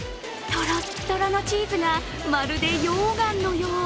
とろっとろのチーズがまるで溶岩のよう。